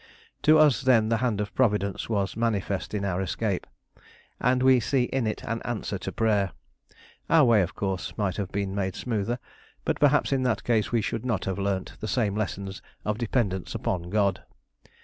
To us then the hand of Providence was manifest in our escape, and we see in it an answer to prayer. Our way, of course, might have been made smoother, but perhaps in that case we should not have learnt the same lessons of dependence upon God.